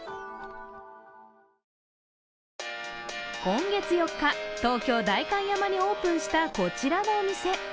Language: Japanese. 今月４日、東京・代官山にオープンした、こちらのお店。